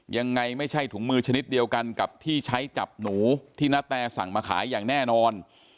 ยังไงไม่ใช่ถุงมือชนิดเดียวกันกับที่ใช้จับหนูที่นาแตสั่งมาขายอย่างแน่นอน